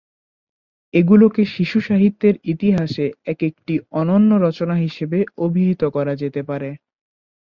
এগুলোকে শিশু সাহিত্যের ইতিহাসে একেকটি অনন্য রচনা হিসেবে অভিহিত করা যেতে পারে।